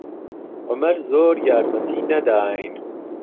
عومەر زۆر یارمەتی نەداین.